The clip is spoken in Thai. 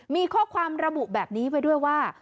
มีข้อความระบุแบบนี้ไว้ด้วยว่า